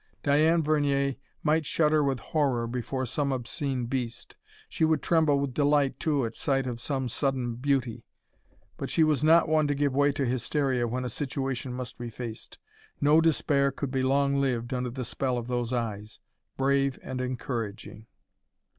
Diane Vernier might shudder with horror before some obscene beast she would tremble with delight, too, at sight of some sudden beauty but she was not one to give way to hysteria when a situation must be faced. No despair could be long lived under the spell of those eyes, brave and encouraging.